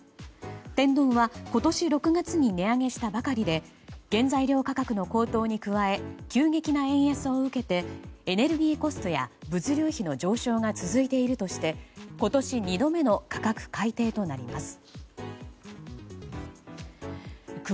天丼は今年６月に値上げしたばかりで原材料価格の高騰に加え急激な円安を受けてエネルギーコストや物流費の上昇が続いているとして、今年２度目の価格改定となります。